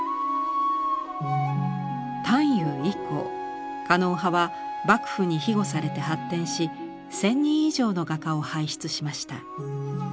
探幽以降狩野派は幕府に庇護されて発展し１，０００人以上の画家を輩出しました。